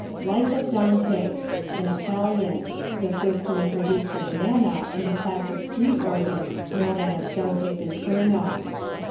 Life of Dante: An Italian; the first to introduce the banana and the class of street organ known as "Dante's Inferno."